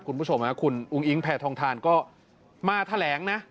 คุณผู้ชมคุณอุ้งอิงแผ่ทองทานก็มาแถลงนะ